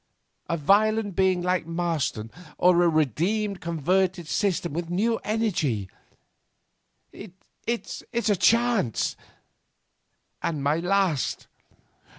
A violent being like Marston, or a redeemed, converted system with new energy? It's a chance, and my last.